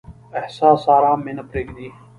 احساس ارام مې نه پریږدي.